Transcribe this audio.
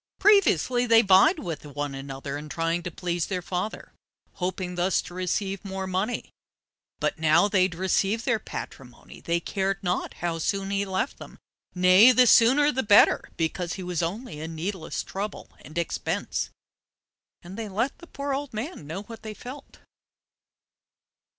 Previously they vied with one another in trying to please their father, hoping thus to receive more money, but now they had received their patrimony, they cared not how soon he left them—nay, the sooner the better, because he was only a needless trouble and expense. And they let the poor old man know what they felt.